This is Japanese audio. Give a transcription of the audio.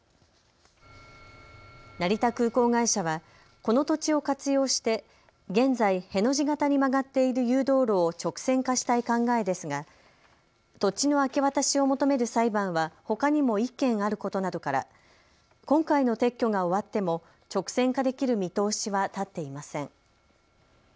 成田空港会社はこの土地を活用して現在、への字型に曲がっている誘導路を直線化したい考えですが土地の明け渡しを求める裁判はほかにも１件あることなどから今回の撤去が終わっても直線化できる見通しは立っていません。